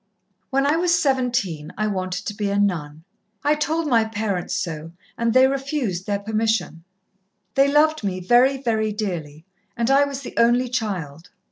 "When I was seventeen I wanted to be a nun. I told my parents so, and they refused their permission. They loved me very, very dearly, and I was the only child.